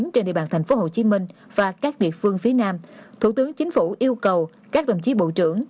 trên địa bàn thành phố hồ chí minh và các địa phương phía nam thủ tướng chính phủ yêu cầu các đồng chí bộ trưởng